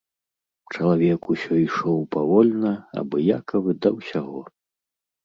Чалавек усё ішоў павольна, абыякавы да ўсяго.